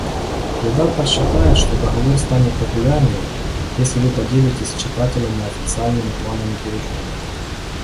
Редактор считает, что договор станет популярнее, если вы поделитесь с читателями официальными планами перехода.